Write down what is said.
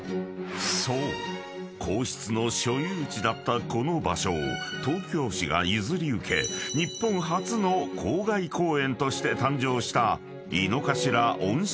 皇室の所有地だったこの場所を東京市が譲り受け日本初の郊外公園として誕生した］